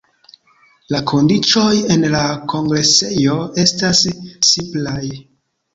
La kondiĉoj en la kongresejo estas simplaj.